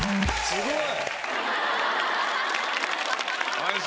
すごい。